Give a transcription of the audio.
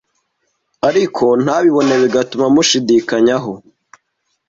ariko ntabibone bigatuma amushidikanyaho.